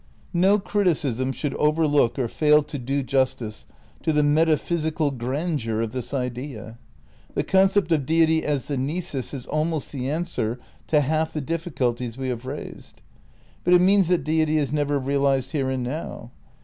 No criticism should overlook or fail to do justice to the metaphysical grandeur of this idea. The concept of Deity as the nisus is almost the answer to half the difficulties we have raised. But it means that Deity is never realised here and now.